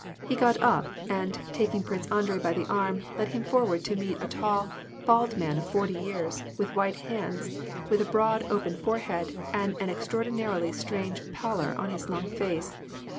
He got up, and, taking Prince Andrei by the arm, led him forward to meet a tall, bald man of forty years, with white hands, with a broad, open forehead, and an extraordinarily strange pallor on his long face.